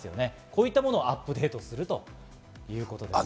こういったものをアップデートするということです。